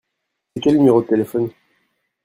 C'est quel numéro de téléphone ?